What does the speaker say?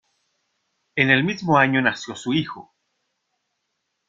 En el mismo año nació su hijo.